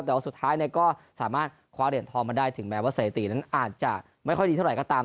แต่ว่าสุดท้ายก็สามารถคว้าเหรียญทองมาได้ถึงแม้ว่าสถิตินั้นอาจจะไม่ค่อยดีเท่าไหร่ก็ตาม